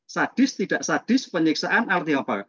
sadis tidak sadis penyiksaan artinya apa